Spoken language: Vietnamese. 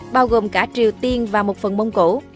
bao gồm cả triều tiên và một phần mông cổ